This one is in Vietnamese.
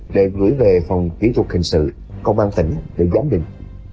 để gửi về phòng kỹ thuật hình sự công an tỉnh để giám định